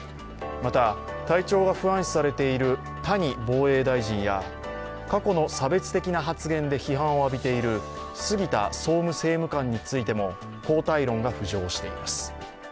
また、体調が不安視されている谷防衛大臣や過去の差別的な発言で批判を浴びている杉田総務政務官についても交代論が浮上しています。